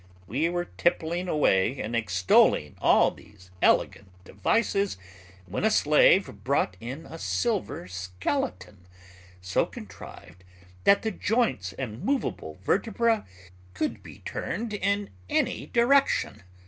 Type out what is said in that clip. We were tippling away and extolling all these elegant devices, when a slave brought in a silver skeleton, so contrived that the joints and movable vertebra could be turned in any direction.